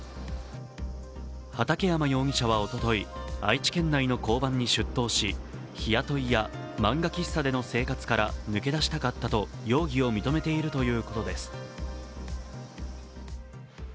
畠山容疑者はおととい、愛知県内の交番に出頭し日雇いや漫画喫茶での生活から抜け出したかったと容疑を認めているということです。